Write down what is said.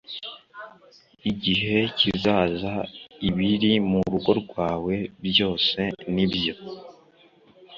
Igihe kizaza ibiri mu rugo rwawe byose n ibyo